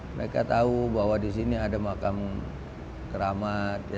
mereka tahu bahwa di sini ada makam keramat